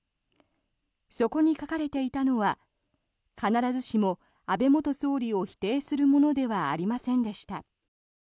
そこに書かれていたのは必ずしも安倍元総理を否定するものではありませんでした。